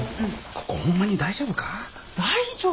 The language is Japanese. ここホンマに大丈夫か？